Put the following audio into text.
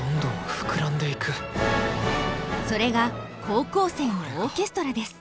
それが高校生のオーケストラです。